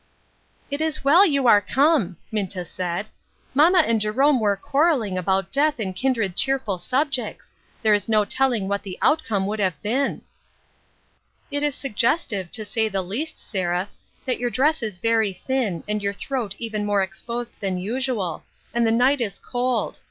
" It is well you are come," Minta said ;" mamma and Jerome are quarreling about death and kindred cheerful subjects ; there is no telling what the out come would have been." " It is suggestive, to say the least, Seraph, that your dress is very thin, and your throat even more THE WISDOM OF Til 13 WORLD. l6l exposed than usual ; and the night is cold.